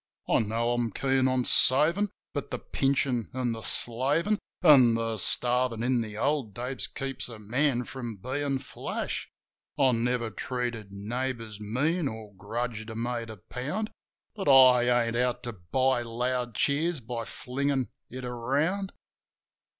I know I'm keen on savin' ; but the pinchin' an' the slavin' An' the starvin' in the old days keeps a man from bein' flash. I never treated neighbours mean or grudged a mate a pound; But I ain't out to buy loud cheers by flingin' it around.